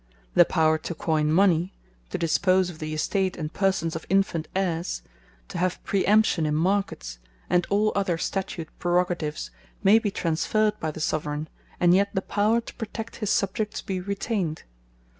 The Power to coyn Mony; to dispose of the estate and persons of Infant heires; to have praeemption in Markets; and all other Statute Praerogatives, may be transferred by the Soveraign; and yet the Power to protect his Subject be retained.